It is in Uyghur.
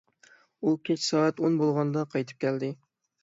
ئۇ كەچ سائەت ئون بولغاندا قايتىپ كەلدى.